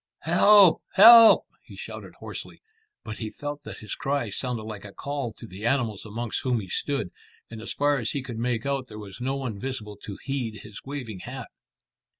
"Help! help!" he shouted hoarsely, but he felt that his cry sounded like a call to the animals amongst whom he stood, and as far as he could make out there was no one visible to heed his waving hat.